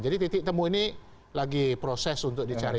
jadi titik temu ini lagi proses untuk dicari